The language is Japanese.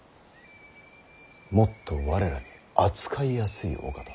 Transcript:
もっと我らに扱いやすいお方を。